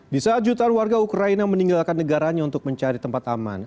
di saat jutaan warga ukraina meninggalkan negaranya untuk mencari tempat aman